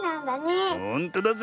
ほんとだぜ。